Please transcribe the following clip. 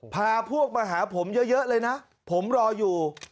พาพวกมาหาผมเยอะเลยนะผมรออยู่